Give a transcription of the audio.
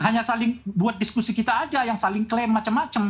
hanya saling buat diskusi kita aja yang saling klaim macam macam